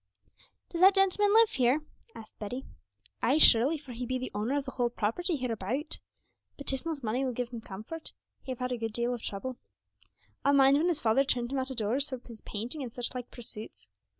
'Does that gentleman live here?' asked Betty. 'Ay, surely, for he be the owner of the whole property hereabout. But 'tis not money will give comfort; he have had a deal o' trouble. I mind when his father turned him out o' doors for his painting and sich like persoots.